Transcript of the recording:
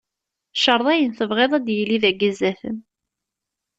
Creḍ ayen tebɣiḍ ad d-yili dagi zdat-m.